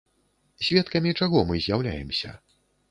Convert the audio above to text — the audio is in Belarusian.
Сведкамі чаго мы з'яўляемся?